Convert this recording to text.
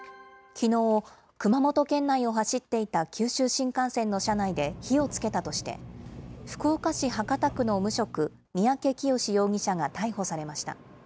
きのう、熊本県内を走っていた九州新幹線の車内で火をつけたとして、福岡市博多区の無職、三宅潔容疑者が逮捕されました。